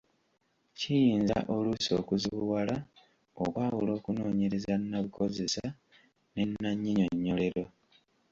Kiyinza oluusi okuzibuwala okwawula okunoonyereza nnabukozesa ne nnannyinyonnyolero.